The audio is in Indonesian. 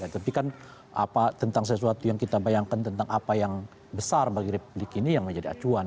tapi kan tentang sesuatu yang kita bayangkan tentang apa yang besar bagi republik ini yang menjadi acuan